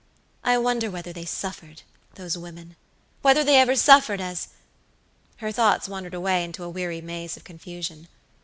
I wonder whether they sufferedthose womenwhether they ever suffered as" Her thoughts wandered away into a weary maze of confusion.